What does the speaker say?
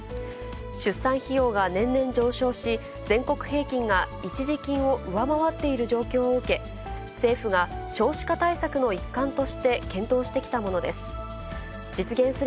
出産費用が年々上昇し、全国平均が一時金を上回っている状況を受け、政府が少子化対策の一環として検討してきたものです。